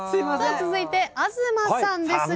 続いて東さんですが。